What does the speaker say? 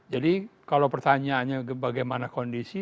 kalau pertanyaannya bagaimana kondisi